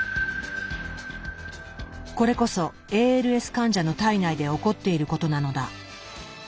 これこそＡＬＳ患者の体内で起こっていることなのだ。